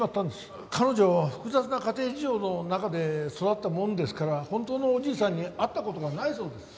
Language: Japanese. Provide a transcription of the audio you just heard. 彼女複雑な家庭事情の中で育ったもんですから本当のおじいさんに会った事がないそうです。